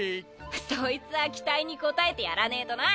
そいつは期待に応えてやらねえとな！